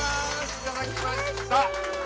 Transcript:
いただきました！